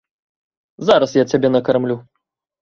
Зараз я цябе накармлю.